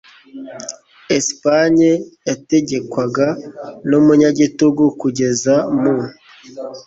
Espagne yategekwaga n’umunyagitugu kugeza mu .